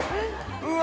うわ！